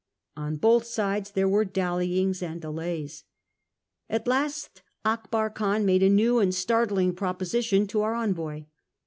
On both sides there were dallyings and delays. At last Akbar Khan made a new and startling proposition to our envoy.